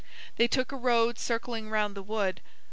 They took a road circling round the wood.